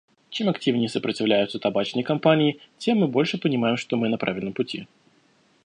Чем активнее сопротивляются табачные компании, тем мы больше понимаем, что мы на правильном пути.